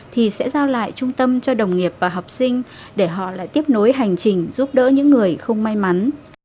thì sẽ giao lại trung tâm cho đồng nghiệp và học sinh để họ lại tiếp nối hành trình giúp đỡ những người không may mắn